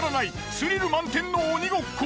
スリル満点の鬼ごっこ。